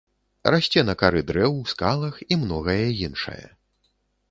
Расце на кары дрэў, скалах і многае іншае.